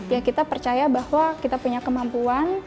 ya kita percaya bahwa kita punya kemampuan